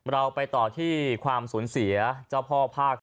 เราไปต่อที่ความสูญเสียเจ้าพ่อภาคตะวันออกนะฮะ